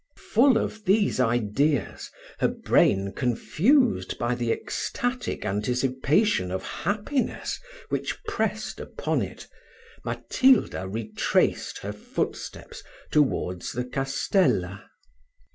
Full of these ideas, her brain confused by the ecstatic anticipation of happiness which pressed upon it, Matilda retraced her footsteps towards the castella.